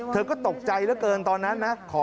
เธอก็ตกใจเหลือเกินตอนนั้นนะ